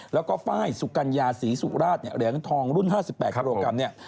แล้วก็ไฟล์สุกัญญาศรีสุราชเนี่ยเหรียญทองรุ่น๕๘กิโลกรัมเนี่ย